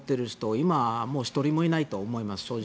今、もう１人もいないと思います。